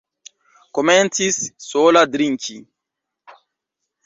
Komencis sola drinki.